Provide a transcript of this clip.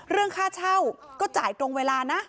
เรื่องค่าเช่าก็จ่ายตรงเวลานะ